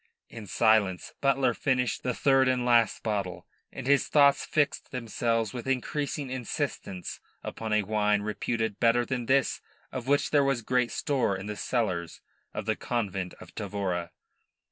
In silence Butler finished the third and last bottle, and his thoughts fixed themselves with increasing insistence upon a wine reputed better than this of which there was great store in the cellars of the convent of Tavora.